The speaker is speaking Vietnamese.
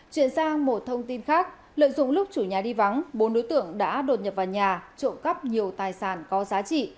chuyển sang một thông tin khác lợi dụng lúc chủ nhà đi vắng bốn đối tượng đã đột nhập vào nhà trộm cắp nhiều tài sản có giá trị